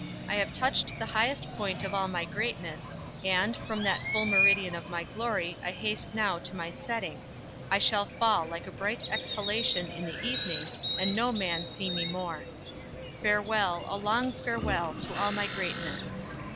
I have touched the highest point of all my greatness And, from that full meridian of my glory, I haste now to my setting; I shall fall Like a bright exhalation in the evening, And no man see me more!_ _"Farewell, a long farewell, to all my greatness!